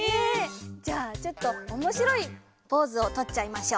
じゃあちょっとおもしろいポーズをとっちゃいましょう。